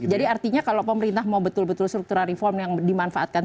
jadi artinya kalau pemerintah mau betul betul struktura reform yang dimanfaatkan